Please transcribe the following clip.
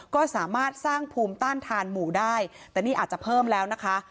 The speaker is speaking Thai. ก็สามารถสร้างภูมิต้านทานหมู่ได้แต่นี่อาจจะเพิ่มแล้วนะคะ